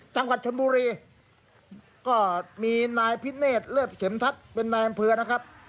จังหวัดชนบุรีก็มีนายพิเนธเลิศเข็มทัศน์เป็นนายอำเภอนะครับ